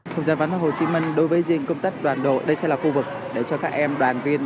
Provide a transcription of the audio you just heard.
không gian văn hóa hồ chí minh đối với riêng công tác đoàn độ đây sẽ là khu vực để cho các em đoàn viên